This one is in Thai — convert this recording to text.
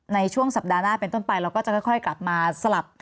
ในช่วงสัปดาห์หน้าเป็นต้นไปเราก็จะค่อยกลับมาสลับ